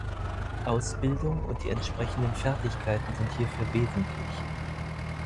Ausbildung und die entsprechenden Fertigkeiten sind hierfür wesentlich.